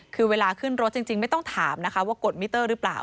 คือเวลาขึ้นรถจริงไม่ต้องถามนะคะว่ากดมิเตอร์หรือเปล่า